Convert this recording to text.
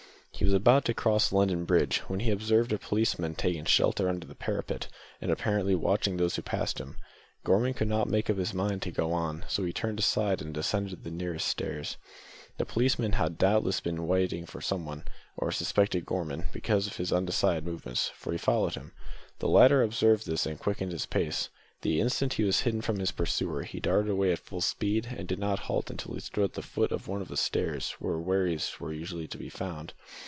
He was about to cross London Bridge, when he observed a policeman taking shelter under the parapet, and apparently watching those who passed him. Gorman could not make up his mind to go on, so he turned aside and descended the nearest stairs. The policeman had doubtless been watching for someone, or suspected Gorman because of his undecided movements, for he followed him. The latter observed this and quickened his pace. The instant he was hidden from his pursuer, he darted away at full speed, and did not halt until he stood at the foot of one of the stairs where wherries are usually to be found.